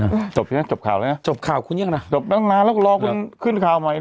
จบใช่ไหมจบข่าวแล้วนะจบข่าวคุณยังนะจบตั้งนานแล้วก็รอคุณขึ้นข่าวใหม่นะ